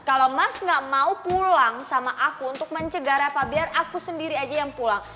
kalau mas gak mau pulang sama aku untuk mencegah apa biar aku sendiri aja yang pulang